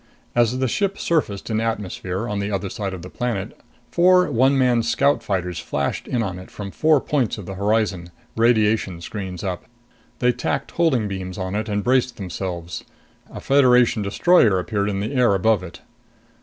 As the ship surfaced in atmosphere on the other side of the planet, four one man Scout fighters flashed in on it from four points of the horizon, radiation screens up. They tacked holding beams on it and braced themselves. A Federation destroyer appeared in the air above it.